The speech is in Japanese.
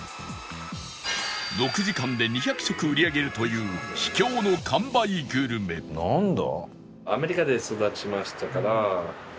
６時間で２００食売り上げるという秘境の完売グルメなんだ？